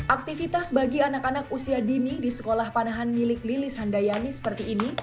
aktivitas bagi anak anak usia dini di sekolah panahan milik lilis handayani seperti ini